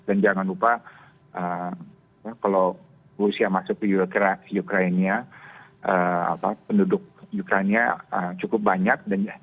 dan jangan lupa kalau rusia masuk ke ukraina penduduk ukraina cukup banyak